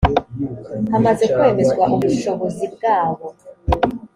hamaze kwemezwa ubushobozi bwabo